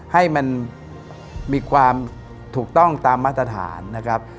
ให้มันมีความถูกต้องตามมาตรฐานนะครับ